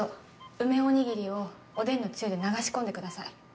梅おにぎりをおでんの汁で流し込んでください。